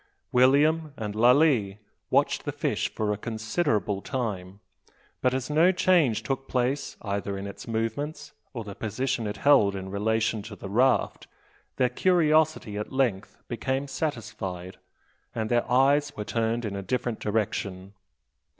William and Lalee watched the fish for a considerable time; but as no change took place either in its movements or the position it held in relation to the raft, their curiosity at length became satisfied, and their eyes were turned in a different direction.